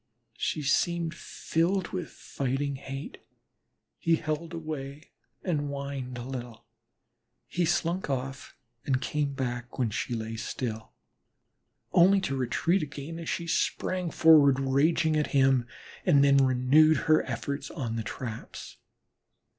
She seemed filled with fighting hate. He held away and whined a little; he slunk off and came back when she lay still, only to retreat again, as she sprang forward, raging at him, and then renewed her efforts at the traps.